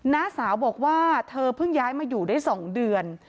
น้าสาวบอกว่าเธอเพิ่งย้ายมาอยู่ได้๒เดือน